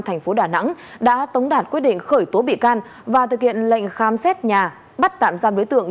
thành phố đà nẵng đã tống đạt quyết định khởi tố bị can và thực hiện lệnh khám xét nhà bắt tạm giam đối tượng